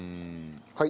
はい。